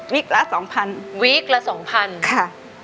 วิกละสองพันวิกละสองพันค่ะ